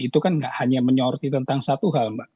itu kan tidak hanya menyoroti tentang satu hal